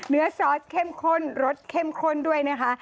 ซอสเข้มข้นรสเข้มข้นด้วยนะคะ